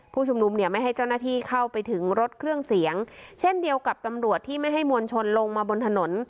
ผู้ชุมนุมเนี่ยไม่ให้เจ้าหน้าที่เข้าไปถึงรถเครื่องเสียงเช่นเดียวกับตำรวจที่ไม่ให้มวลชนลงมาบนถนน